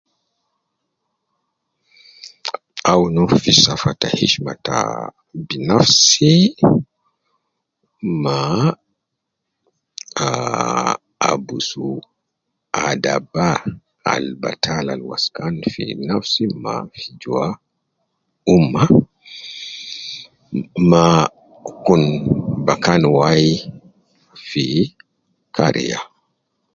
Awun fi safa ta hishma ta bi nafsima, aaa, abusu adaba al batal, al waskan fi nafsi ma fi juwa umma, ma bakan wayi fi kariya.